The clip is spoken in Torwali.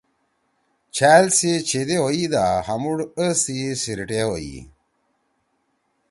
سی چھیدے ہوئیا دا ہامُوڑ اَے سی سیِریٹے ہوئی۔